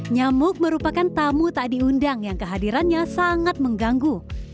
nyamuk merupakan tamu tak diundang yang kehadirannya sangat mengganggu